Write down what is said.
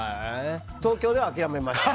東京では諦めました。